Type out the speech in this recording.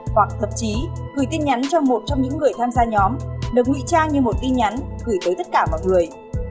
hoặc thậm chí gửi tin nhắn cho một trong những người tham gia nhóm được ngụy trang như một tin nhắn gửi tới tất cả mọi người